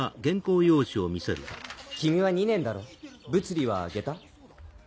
君は２年だろ物理はゲタ？